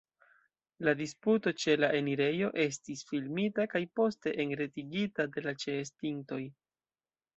La disputo ĉe la enirejo estis filmita kaj poste enretigita de la ĉeestintoj.